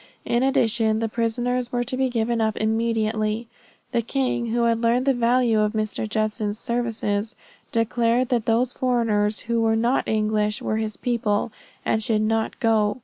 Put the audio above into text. In addition, the prisoners were to be given up immediately. The king, who had learned the value of Mr. Judson's services, declared that those foreigners who were not English, were his people, and should not go.